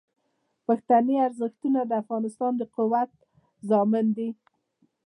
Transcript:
پښتني ارزښتونه د افغانستان د قوت ضامن دي.